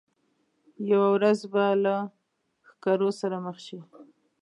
یوه ورځ به له ښکرور سره مخ شي.